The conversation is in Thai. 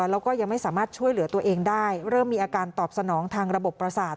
แล้วก็ยังไม่สามารถช่วยเหลือตัวเองได้เริ่มมีอาการตอบสนองทางระบบประสาท